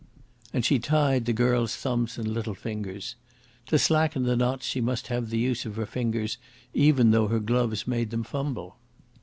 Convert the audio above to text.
And she tied the girl's thumbs and little fingers. To slacken the knots she must have the use of her fingers, even though her gloves made them fumble.